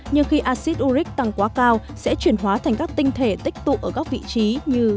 nhưng khi acid uric tăng quá cao sẽ chuyển hóa thành các tinh thể tích tụ ở các vị trí như